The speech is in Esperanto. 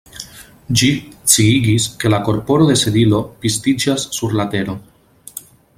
Ĝi sciigis, ke la korpo de Sedilo pistiĝas sur la tero.